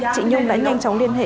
chị nhung đã nhanh chóng liên hệ